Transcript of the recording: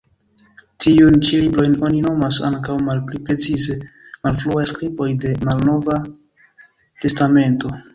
Tiujn ĉi librojn oni nomas ankaŭ, malpli precize, "malfruaj skriboj de la Malnova Testamento".